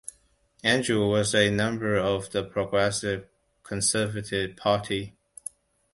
Andrewes was a member of the Progressive Conservative Party.